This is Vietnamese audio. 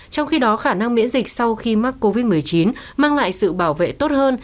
trong khi đó khả năng miễn dịch sau khi mắc covid một mươi chín mang lại sự bảo vệ tốt hơn